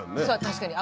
確かに。